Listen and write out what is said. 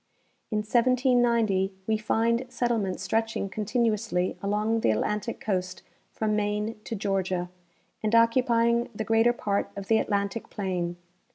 In 1790 we find settlement stretching continuously along the Atlantic coast from Maine to Georgia, and occupying the greater 23art of the Atlantic plain.